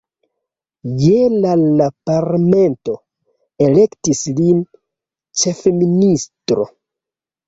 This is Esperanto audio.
Je la la parlamento elektis lin ĉefministro.